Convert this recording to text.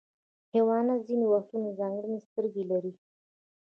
حیوانات ځینې وختونه ځانګړي سترګې لري.